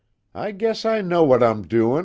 I guess I know what I'm doin'!"